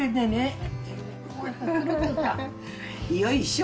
よいしょ。